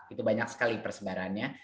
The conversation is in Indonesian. itu banyak sekali persebarannya